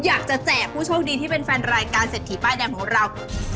อยากจะแจกผู้โชคดีที่เป็นแฟนรายการเศรษฐีป้ายแดงของเรา